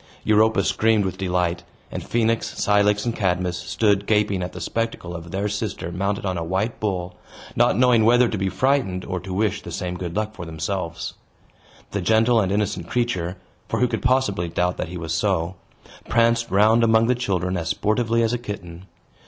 Europa screamed with delight; and Phoenix, Cilix, and Cadmus stood gaping at the spectacle of their sister mounted on a white bull, not knowing whether to be frightened or to wish the same good luck for themselves. The gentle and innocent creature (for who could possibly doubt that he was so?) pranced round among the children as sportively as a kitten.